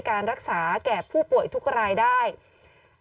กล้องกว้างอย่างเดียว